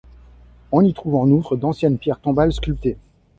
On y trouve en outre d'anciennes pierres tombales sculptées.